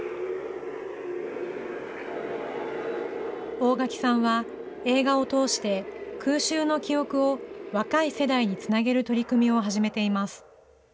大墻さんは映画を通して、空襲の記憶を若い世代につなげる取り組みを始めています。